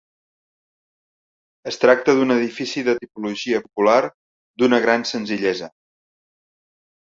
Es tracta d'un edifici de tipologia popular d'una gran senzillesa.